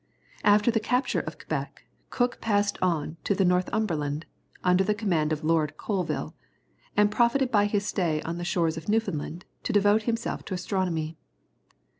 After the capture of Quebec, Cook passed on to the Northumberland, under command of Lord Colville, and profited by his stay on the shores of Newfoundland to devote himself to astronomy.